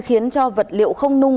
khiến cho vật liệu không nung